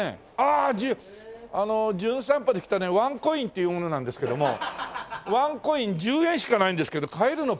ああの『じゅん散歩』で来たねワンコインっていう者なんですけどもワンコイン１０円しかないんですけど買えるの？